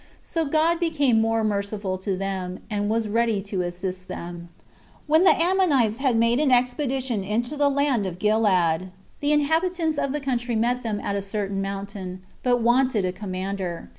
So God became more merciful to them, and was ready to assist them. 8. When the Ammonites had made an expedition into the land of Gilead, the inhabitants of the country met them at a certain mountain, but wanted a commander.